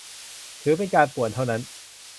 ถือเป็นการป่วนเท่านั้น